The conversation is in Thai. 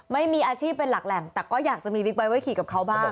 ไม่มีอาชีพเป็นหลักแหล่งแต่ก็อยากจะมีบิ๊กไบท์ไว้ขี่กับเขาบ้าง